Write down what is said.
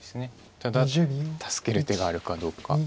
ただ助ける手があるかどうか。